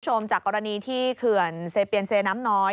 จากกรณีที่เขื่อนเซเปียนเซน้ำน้อย